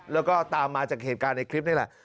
แล้วก็ตามมาจากเหตุการณ์ในคลิปนี่แหละ